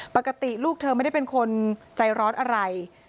ปกติลูกเธอไม่ได้เป็นคนใจร้อนอะไร